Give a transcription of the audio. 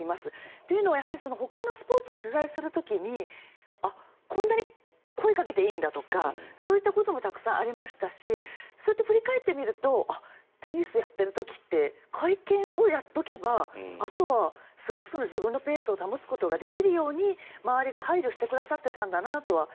というのはほかのスポーツを取材する時にこんなに声かけていいんだとかそういったこともたくさんありましたしそうやって振り返ってみるとテニスやっている時って会見をやっておけばあとはすごく自分のペースを保つことができるように周りが配慮してくださっていたんだなと。